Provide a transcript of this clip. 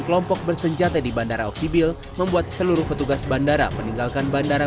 kelompok bersenjata di bandara oksibil membuat seluruh petugas bandara meninggalkan bandara